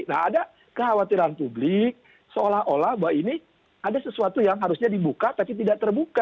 nah ada kekhawatiran publik seolah olah bahwa ini ada sesuatu yang harusnya dibuka tapi tidak terbuka